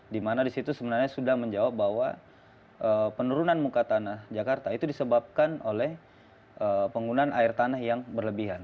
dimana disitu sebenarnya sudah menjawab bahwa penurunan muka tanah jakarta itu disebabkan oleh penggunaan air tanah yang berlebihan